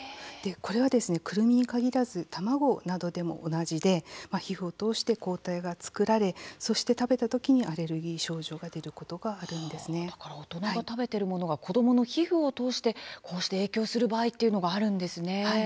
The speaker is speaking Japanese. これはですね、くるみに限らず卵などでも同じで皮膚を通して抗体が作られそして食べたときにアレルギー症状が大人の食べているものが子どもの皮膚を通してこうして影響する場合っていうのがあるんですね。